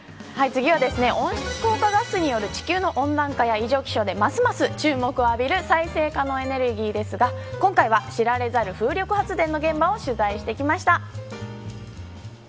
次は、温室効果ガスによる地球の温暖化や異常気象でますます注目を浴びる再生可能エネルギーですが今回は知られざる風力発電の現場を取材してきました。